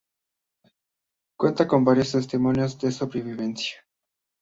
Cuenta con varios testimonios de sobrevivencia.